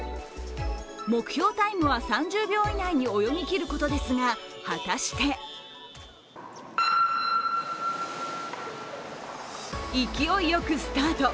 目標タイムは３０秒以内に泳ぎ切ることですが、果たして勢いよくスタート。